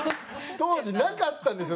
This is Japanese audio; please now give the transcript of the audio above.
当時なかったんですよ。